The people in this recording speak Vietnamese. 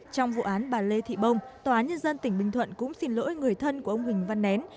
trong vụ án bà lê thị bông tòa nhân dân tỉnh bình thuận cũng xin lỗi người thân của ông huỳnh văn nén